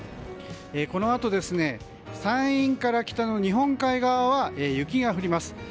このあと山陰から北の日本海側は雪が降ります。